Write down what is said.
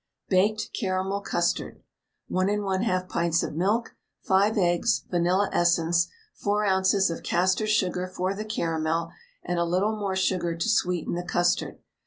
BAKED CARAMEL CUSTARD. 1 1/2 pints of milk, 5 eggs, vanilla essence, 4 oz. of castor sugar for the caramel, and a little more sugar to sweeten the custard.